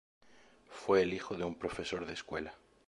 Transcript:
Fue el hijo de un profesor de escuela.